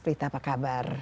prita apa kabar